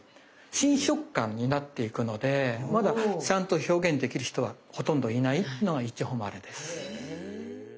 新食感になっていくのでまだちゃんと表現できる人はほとんどいないっていうのがいちほまれです。